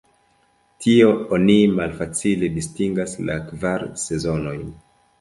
Tie oni malfacile distingas la kvar sezonojn.